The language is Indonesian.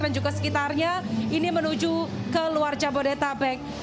dan juga sekitarnya ini menuju ke luar jabodetabek